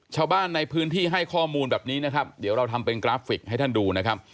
ชาวบ้านในพื้นที่ให้ข้อมูลแบบนี้นะครับเดี๋ยวเราทำเป็นกราฟิกให้ท่านดูนะครับ